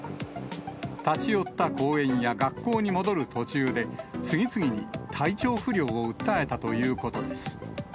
立ち寄った公園や学校に戻る途中で、次々に体調不良を訴えたということです。